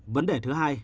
vấn đề thứ hai